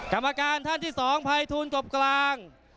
กรรมการท่านที่๒ภัยทูลกบกลาง